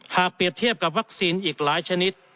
เปรียบเทียบกับวัคซีนอีกหลายชนิด